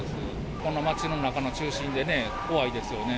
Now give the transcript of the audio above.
この街の中の中心でね、怖いですよね。